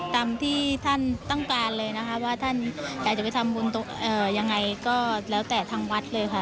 ตามที่ท่านต้องการเลยนะคะว่าท่านอยากจะไปทำบุญยังไงก็แล้วแต่ทางวัดเลยค่ะ